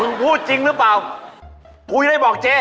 มึงพูดจริงหรือเปล่าพูดได้แบบบอกเจ๊